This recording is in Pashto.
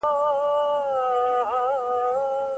د رسول الله مبارک سنت تعقیب کړئ.